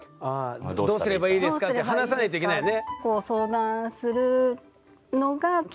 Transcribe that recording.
どうすればいいですかって話さないといけないよね。